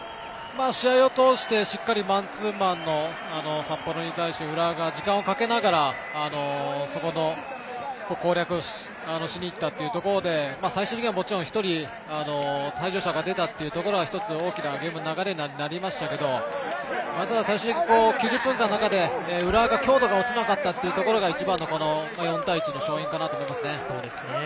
試合を通してしっかりマンツーマンの札幌に対して浦和が時間をかけながらそれを攻略をしにいったところで最終的には、１人退場者が出たというのは１つ、大きなゲームの流れになりましたがあとは最終的に９０分間の中で浦和の強度が落ちなかったのが一番の４対１の勝因と思います。